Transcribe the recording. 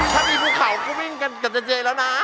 ถ้ามีภูเขาก็วิ่งกันกับเจแล้วนะ